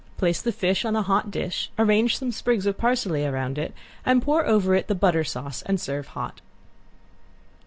Place the fish on a hot dish, arrange some sprigs of parsley around it, and pour over it the butter sauce, and serve hot.